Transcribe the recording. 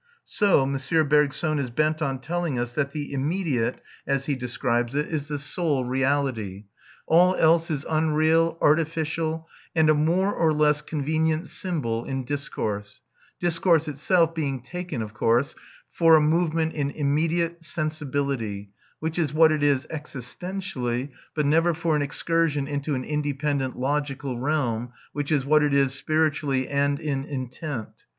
So M. Bergson is bent on telling us that the immediate, as he describes it, is the sole reality; all else is unreal, artificial, and a more or less convenient symbol in discourse discourse itself being taken, of course, for a movement in immediate sensibility, which is what it is existentially, but never for an excursion into an independent logical realm, which is what it is spiritually and in intent.